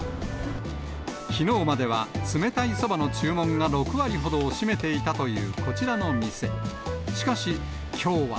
きのうまでは冷たいそばの注文が６割ほどを占めていたというこちらの店。